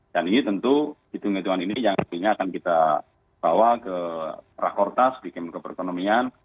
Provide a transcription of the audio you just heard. dan ini tentu hitung hitungan ini yang akhirnya akan kita bawa ke rakortas di kementerian keperekonomian